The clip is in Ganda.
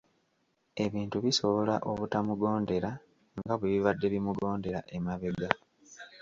Ebintu bisobola obutamugondera nga bwe bibadde bimugondera emabega.